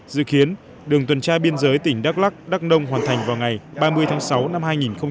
dự kiến đường tuần tra biên giới tỉnh đắk lắk đắk nông hoàn thành vào ngày ba mươi tháng sáu năm hai nghìn một mươi chín